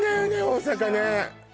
大阪ね